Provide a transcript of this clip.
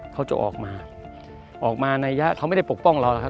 เขาจะออกมาออกมานัยยะเขาไม่ได้ปกป้องเราหรอกครับ